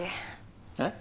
えっ？